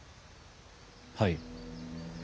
はい。